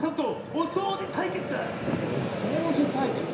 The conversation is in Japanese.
おそうじたいけつ？